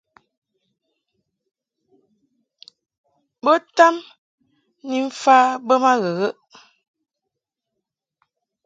Bo tam ni mfa be ma ghəghəʼ.